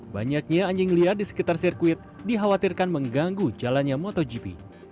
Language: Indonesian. banyaknya anjing liar di sekitar sirkuit dikhawatirkan mengganggu jalannya motogp